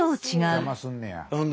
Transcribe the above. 邪魔すんねや。